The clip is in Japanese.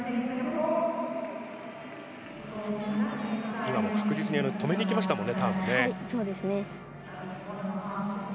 今もターンを確実に止めにいきましたよね。